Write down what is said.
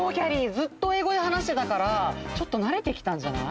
ずっとえいごではなしてたからちょっとなれてきたんじゃない？